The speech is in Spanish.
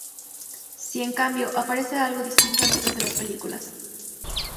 Sí en cambio, aparece algo distinta en otras de sus películas.